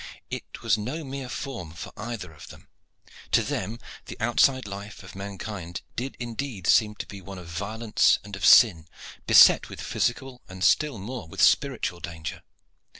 It was no mere form for either of them. To them the outside life of mankind did indeed seem to be one of violence and of sin, beset with physical and still more with spiritual danger.